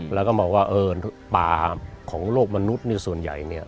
แล้วก็บอกว่าป่าของโลกมนุษย์ส่วนใหญ่เนี่ย